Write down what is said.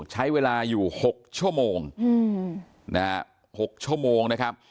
ใช้เวลาอยู่๖ชั่วโมง๖ชั่วโมงนะครับ